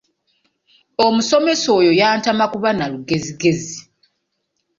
Omusomesa oyo yantama kuba na lugezigezi.